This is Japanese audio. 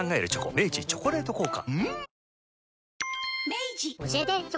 明治「チョコレート効果」